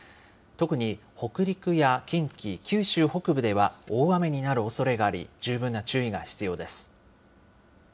特に北陸や近畿、九州北部では大雨になるおそれがあり、十分な注意が必要です。